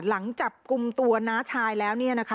หลังจับกลุ่มตัวน้าชายแล้ว